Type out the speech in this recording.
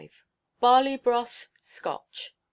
Barley Broth, Scotch.